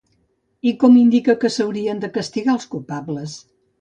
I com indica que s'haurien de castigar els culpables?